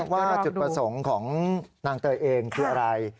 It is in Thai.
ว่าจุดประสงค์ของนางเตยเองคืออะไร